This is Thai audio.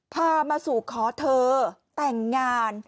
พามาสู่ขอเธอแต่งงาน